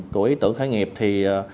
của ý tưởng khởi nghiệp thì